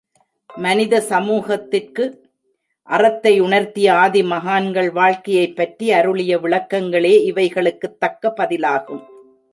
மனித சமூகத்திற்கு அறத்தை உணர்த்திய ஆதி மகான்கள் வாழ்க்கையைப் பற்றி அருளிய விளக்கங்களே இவைகளுக்குத் தக்க பதிலாகும்.